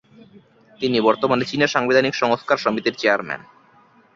তিনি বর্তমানে চীনা সাংবিধানিক সংস্কার সমিতির চেয়ারম্যান।